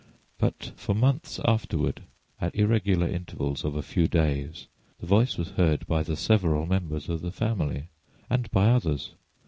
But for months afterward, at irregular intervals of a few days, the voice was heard by the several members of the family, and by others.